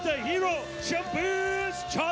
ตอนนี้มวยกู้ที่๓ของรายการ